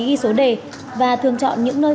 ghi số đề và thường chọn những nơi